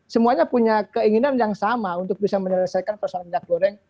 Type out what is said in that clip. semuanya punya keinginan yang sama untuk bisa menyelesaikan persoalan minyak goreng